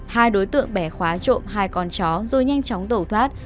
hai đối tượng bẻ khóa trộm hai con chó rồi nhanh chóng tẩu thoát